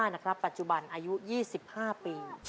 นะครับปัจจุบันอายุ๒๕ปี